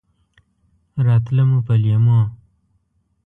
راتله مو په لېمو!